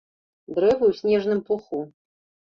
Дрэвы ў снежным пуху.